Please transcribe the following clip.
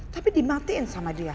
tapi dimatiin sama dia